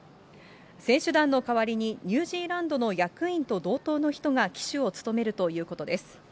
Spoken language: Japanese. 選手団の代わりに、ニュージーランドの役員と同等の人が旗手を務めるということです。